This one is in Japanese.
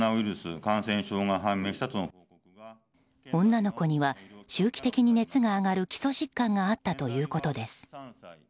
女の子には周期的に熱が上がる基礎疾患があったということです。